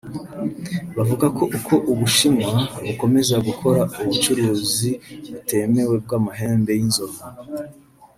bavuga ko uko u Bushinwa bukomeza gukora ubucuruzi butemewe bw’amahembe y’inzovu